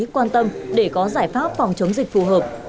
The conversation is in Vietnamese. quan tâm để có giải pháp phòng chống dịch phù hợp